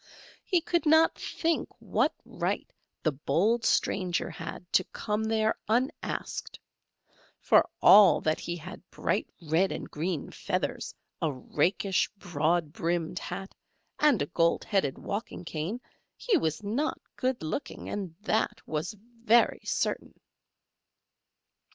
He could not think what right the bold stranger had to come there unasked; for all that he had bright red and green feathers, a rakish, broad brimmed hat, and a gold headed walking cane, he was not good looking, that was very certain.